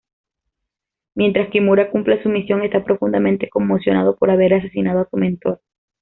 Mientras Kimura cumple su misión, está profundamente conmocionado por haber asesinado a su mentor.